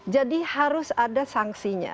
jadi harus ada sangsinya